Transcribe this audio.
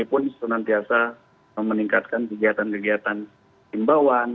kami pun senantiasa meningkatkan kegiatan kegiatan timbawan